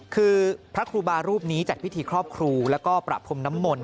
คือพระครูบารูปนี้จัดพิธีครอบครูแล้วก็ประพรมน้ำมนต